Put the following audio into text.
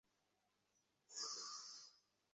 দশ দশ জন এয়ারফোর্স অফিসার আরেকজন মেয়ে!